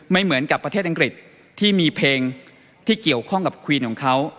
เหมือนกับประเทศอังกฤษที่มีเพลงที่เกี่ยวข้องกับควีนของเขา